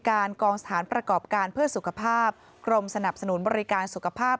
การกองสถานประกอบการเพื่อสุขภาพกรมสนับสนุนบริการสุขภาพ